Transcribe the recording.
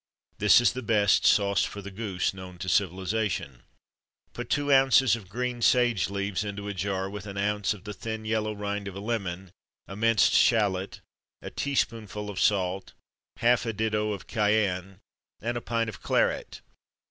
This is the best Sauce for the Goose known to civilisation: Put two ounces of green sage leaves into a jar with an ounce of the thin yellow rind of a lemon, a minced shallot, a teaspoonful of salt, half a ditto of cayenne, and a pint of claret.